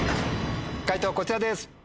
解答こちらです。